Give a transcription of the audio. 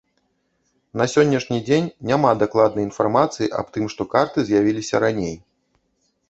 На сённяшні дзень няма дакладнай інфармацыі аб тым, што карты з'явіліся раней.